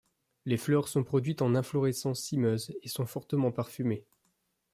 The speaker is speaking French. Les fleurs sont produites en inflorescences cymeuses et sont fortement parfumées.